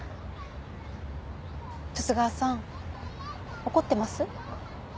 十津川さん怒ってます？